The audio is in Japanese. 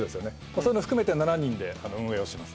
そういうのを含めて７人で運営をしてます